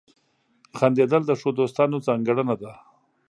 • خندېدل د ښو دوستانو ځانګړنه ده.